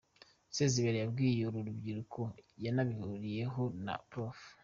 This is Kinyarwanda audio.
Sezibera yabwiye uru rubyiruko yanabihuriyeho na Prof.